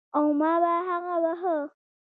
او ما به هغه واهه.